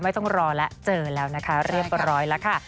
ต้องรอแล้วเจอแล้วนะคะเรียบร้อยแล้วค่ะ